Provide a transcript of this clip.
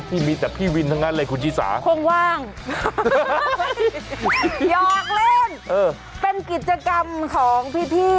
พี่มีแต่พี่วินทั้งนั้นเลยคุณชิสาห้องว่างหยอกเล่นเป็นกิจกรรมของพี่